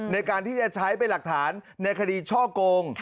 ในการที่จะใช้เป็นหลักฐานในคดีช่อโกง